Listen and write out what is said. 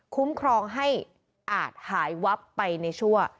คุ้มครองให้อาจหายวับไปในชั่ว